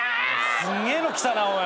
すげえの来たなおい。